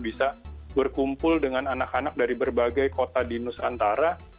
bisa berkumpul dengan anak anak dari berbagai kota di nusantara